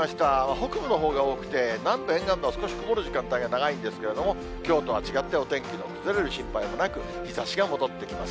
北部のほうが多くて、南部、沿岸部では少し曇る時間帯が長いんですけれども、きょうとは違って、お天気の崩れる心配もなく、日ざしが戻ってきます。